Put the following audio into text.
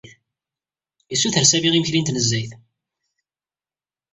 Yessuter Sami imekli n tnezzayt.